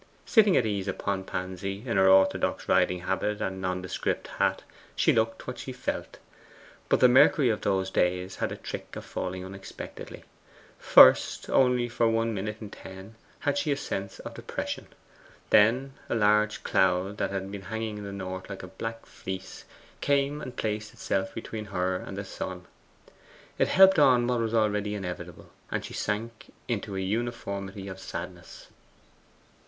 Sitting at ease upon Pansy, in her orthodox riding habit and nondescript hat, she looked what she felt. But the mercury of those days had a trick of falling unexpectedly. First, only for one minute in ten had she a sense of depression. Then a large cloud, that had been hanging in the north like a black fleece, came and placed itself between her and the sun. It helped on what was already inevitable, and she sank into a uniformity of sadness.